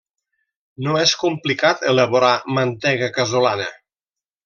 No és complicat elaborar mantega casolana.